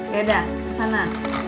deda ke sana